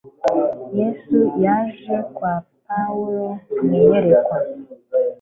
Yesu yaje kwa Pawulo mu iyerekwa